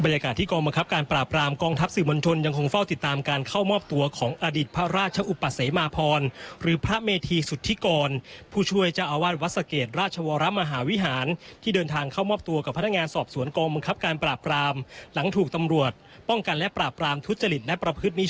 ยากาศที่กองบังคับการปราบรามกองทัพสื่อมวลชนยังคงเฝ้าติดตามการเข้ามอบตัวของอดิตพระราชอุปเสมาพรหรือพระเมธีสุธิกรผู้ช่วยเจ้าอาวาสวัดสะเกดราชวรมหาวิหารที่เดินทางเข้ามอบตัวกับพนักงานสอบสวนกองบังคับการปราบรามหลังถูกตำรวจป้องกันและปราบรามทุจริตและประพฤตินิ